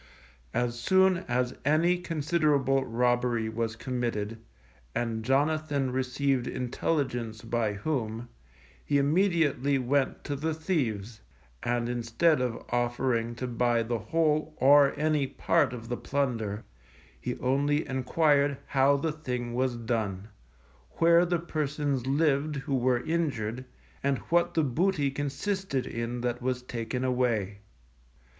As soon as any considerable robbery was committed, and Jonathan received intelligence by whom, he immediately went to the thieves, and instead of offering to buy the whole or any part of the plunder, he only enquired how the thing was done, where the persons lived who were injured, and what the booty consisted in that was taken away.